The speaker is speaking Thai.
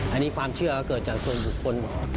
อันนี้ความเชื่อเกิดจากส่วนบุคคลหมอ